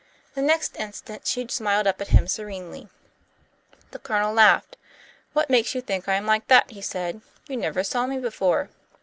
The next instant she smiled up at him serenely. The Colonel laughed. "What makes you think I am like that?" he said. "You never saw me before."